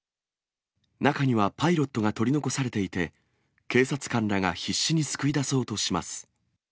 中にはパイロットが取り残されていて、警察官らが必死に救い出そうとします。